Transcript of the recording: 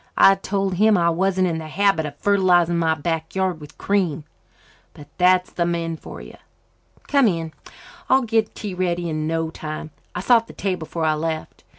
I told him I wasn't in the habit of fertilizing my back yard with cream. But that's the men for you. Come in. I'll have tea ready in no time. I sot the table before I left.